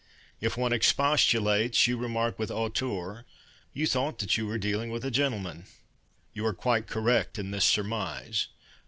If one expostulates, You remark With hauteur That you thought you were dealing with a gentleman. You are quite correct in this surmise.